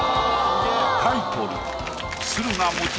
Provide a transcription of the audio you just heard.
タイトル。